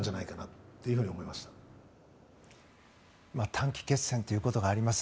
短期決戦ということがあります。